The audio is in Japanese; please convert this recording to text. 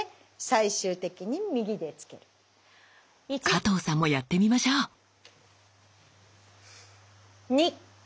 加藤さんもやってみましょう。